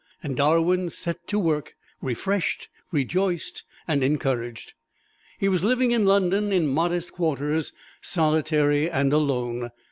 And Darwin set to work, refreshed, rejoiced and encouraged. He was living in London in modest quarters, solitary and alone.